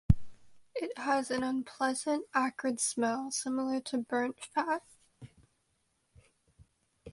It has an unpleasant, acrid smell, similar to burnt fat.